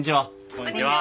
こんにちは。